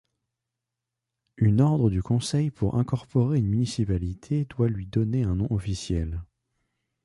Une ordre du conseil pour incorporer une municipalité doit lui donner un nom officiel.